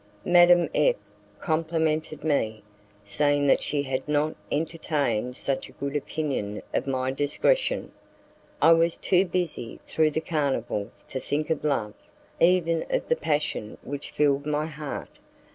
Madame F complimented me, saying that she had not entertained such a good opinion of my discretion. I was too busy through the carnival to think of love, even of the passion which filled my heart.